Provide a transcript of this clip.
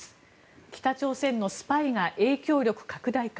北朝鮮のスパイが影響力拡大か